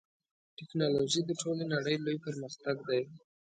ټکنالوژي د ټولې نړۍ لوی پرمختګ دی.